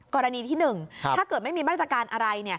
กรณีที่๑ถ้าเกิดไม่มีมาตรการอะไร